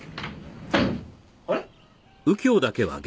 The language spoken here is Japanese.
あれ？